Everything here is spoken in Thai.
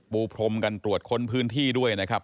พรมกันตรวจค้นพื้นที่ด้วยนะครับ